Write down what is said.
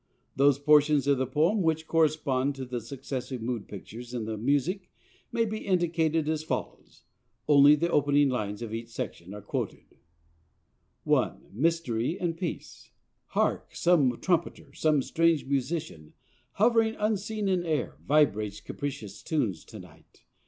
Those portions of the poem which correspond with the successive mood pictures in the music may be indicated as follows (only the opening lines of each section are quoted): [I. "MYSTERY AND PEACE"] "Hark! some wild trumpeter, some strange musician, Hovering unseen in air, vibrates capricious tunes to night.